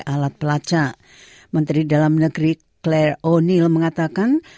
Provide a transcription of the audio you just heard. ketua kelompok advokasi utama untuk orang tua dan anak anak memiliki akses ke pembelajaran awal kecil